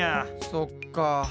そっか。